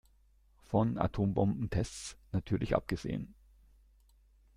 Von Atombombentests natürlich abgesehen.